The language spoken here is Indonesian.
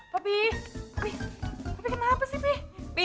papi papi kenapa sih